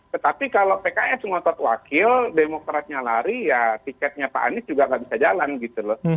tetapi kalau pks ngotot wakil demokratnya lari ya tiketnya pak anies juga nggak bisa jalan gitu loh